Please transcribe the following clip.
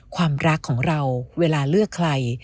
ความรักของเราเวลาเลือกใคร